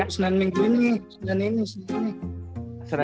seneng minggu lalu ya berarti kita doakan aja ya